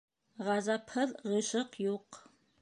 Ғазапһыҙ ғишыҡ юҡ.